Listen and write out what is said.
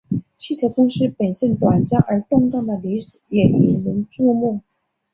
汽车公司本身短暂而动荡的历史也引人注目。